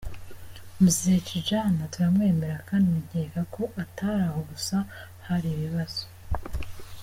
mzee kijana turamwemera kdi nkeka ko Atari aho gusa haribibazo .